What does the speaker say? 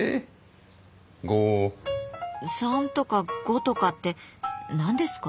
３とか５とかって何ですか？